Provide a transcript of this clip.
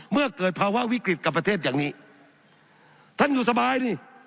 เมื่อเกิดภาวะวิกฤตกับประเทศอย่างนี้ท่านอยู่สบายดิ